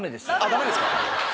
ダメですか？